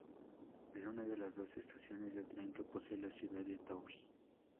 Es una de las dos estaciones de tren que posee la ciudad de Tours.